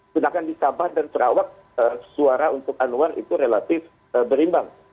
sedangkan di sabah dan sarawak suara untuk anwar itu relatif berimbang